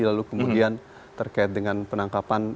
lalu kemudian terkait dengan penangkapan